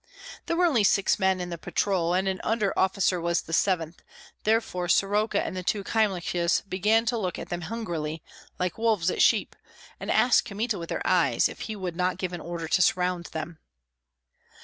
There were only six men in the patrol, and an under officer was the seventh; therefore Soroka and the two Kyemliches began to look at them hungrily, like wolves at sheep, and asked Kmita with their eyes, if he would not give order to surround them.